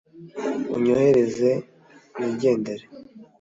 unyoherezeyo nigendere